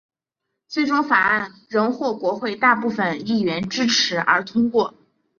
最终法案仍获国会大部份议员支持而通过。